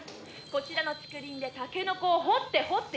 「こちらの竹林でタケノコを掘って掘って４０年！」